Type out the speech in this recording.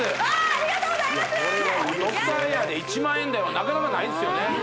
ありがとうございますドクターエアで１万円台はなかなかないですよね